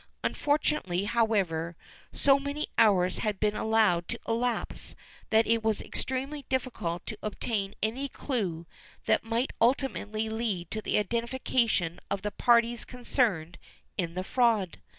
Unfortunately, however, so many hours had been allowed to elapse that it was extremely difficult to obtain any clue that might ultimately lead to the identification of the parties concerned in the fraud.